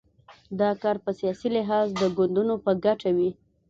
دا کار په سیاسي لحاظ د ګوندونو په ګټه وي.